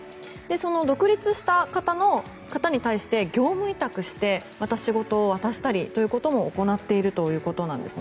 その独立した方に対して業務委託をしてまた仕事を渡したりということも行っているということです。